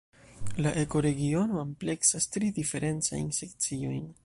La ekoregiono ampleksas tri diferencajn sekciojn.